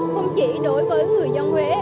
không chỉ đối với người dân huế